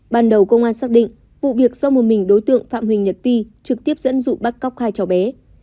ban đầu công an xác định vụ việc do một mình đối tượng phạm huỳnh nhật vi trực tiếp dẫn dụ bắt cóc hai cháu bé